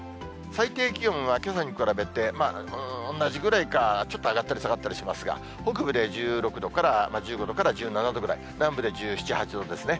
最低気温はけさに比べて同じぐらいか、ちょっと上がったり下がったりしますが、北部で１６度から、１５度から１７度ぐらい、南部で１７、８度ですね。